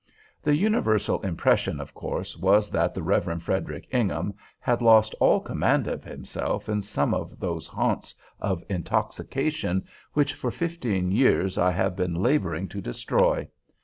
The universal impression, of course, was, that the Rev. Frederic Ingham had lost all command of himself in some of those haunts of intoxication which for fifteen years I have been laboring to destroy.